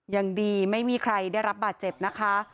ยังดีไม่มีใครได้รับบาดเจ็บนะคะ